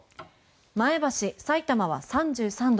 前橋、さいたまは３３度。